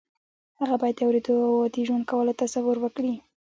هغه باید د اورېدو او عادي ژوند کولو تصور وکړي